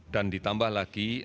dan ditambah lagi enam orang